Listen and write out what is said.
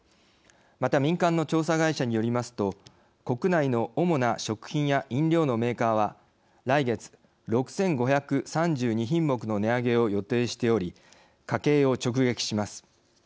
また民間の調査会社によりますと国内の主な食品や飲料のメーカーは来月、６５３２品目の値上げを予定しており家計を直撃します。